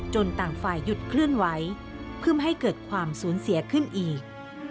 ต่างฝ่ายหยุดเคลื่อนไหวเพื่อไม่ให้เกิดความสูญเสียขึ้นอีก